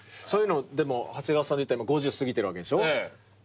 でも長谷川さんでいったら５０過ぎてるわけでしょ。